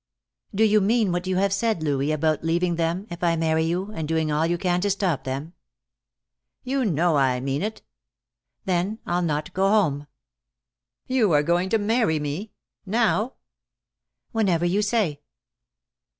"Do you mean what you have said, Louis, about leaving them, if I marry you, and doing all you can to stop them?" "You know I mean it." "Then I'll not go home." "You are going to marry me? Now?" "Whenever you say."